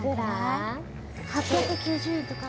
８９０円とか？